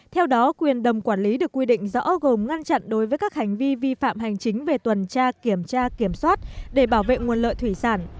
theo đó quyền đầm quản lý được quy định rõ gồm ngăn chặn đối với các hành vi vi phạm hành chính về tuần tra kiểm tra kiểm soát để bảo vệ nguồn lợi thủy sản